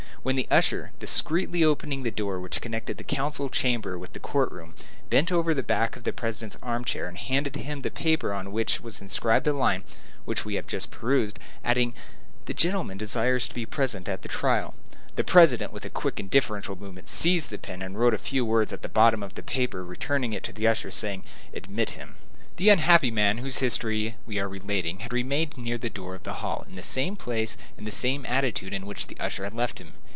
When the usher, discreetly opening the door which connected the council chamber with the court room, bent over the back of the President's armchair and handed him the paper on which was inscribed the line which we have just perused, adding: "The gentleman desires to be present at the trial," the President, with a quick and deferential movement, seized a pen and wrote a few words at the bottom of the paper and returned it to the usher, saying, "Admit him." The unhappy man whose history we are relating had remained near the door of the hall, in the same place and the same attitude in which the usher had left him.